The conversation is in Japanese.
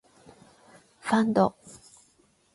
ファンド